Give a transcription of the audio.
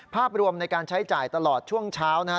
ภาพรวมในการใช้จ่ายตลอดช่วงเช้านะฮะ